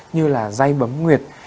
như là dây bấm nguyệt